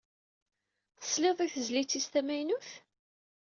Tesliḍ i tezlit-is tamaynut?